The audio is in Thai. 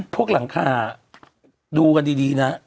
หลังคาดูกันดีนะ